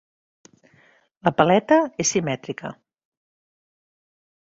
La paleta és simètrica.